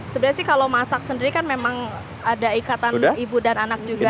sebenarnya sih kalau masak sendiri kan memang ada ikatan ibu dan anak juga